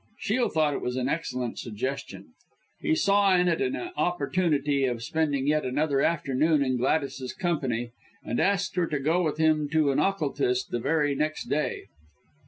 Shiel thought it was an excellent suggestion. He saw in it an opportunity of spending yet another afternoon in Gladys's company, and asked her to go with him to an occultist the very next day.